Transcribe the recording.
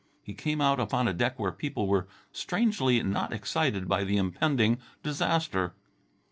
He came out upon a deck where people were strangely not excited by the impending disaster.